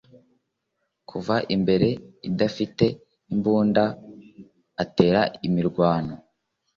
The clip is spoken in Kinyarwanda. kuva imbere idafite imbunda atera imirwano